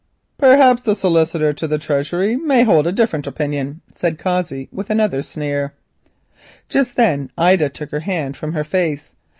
"Perhaps the Solicitor to the Treasury may hold a different opinion," said Cossey, with another sneer. Just then Ida took her hand from her face.